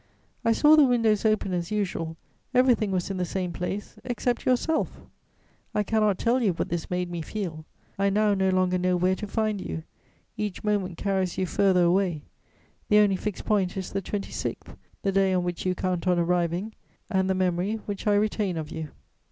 I saw the windows open as usual, everything was in the same place, except yourself! I cannot tell you what this made me feel! I now no longer know where to find you; each moment carries you farther away; the only fixed point is the 26th, the day on which you count on arriving, and the memory which I retain of you.